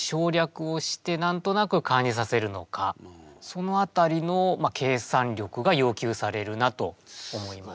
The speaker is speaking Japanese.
その辺りの計算力が要求されるなと思います。